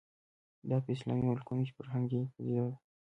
دا په اسلامي ملکونو کې فرهنګي پدیده کېږي